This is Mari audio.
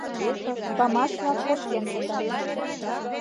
Памаш-влак кошкен пытат.